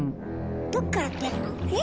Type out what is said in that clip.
どっから出るの？え？